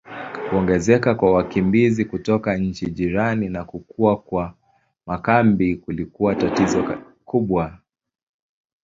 Kuongezeka kwa wakimbizi kutoka nchi jirani na kukua kwa makambi kulikuwa tatizo kubwa.